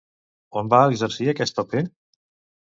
On va exercir aquest paper?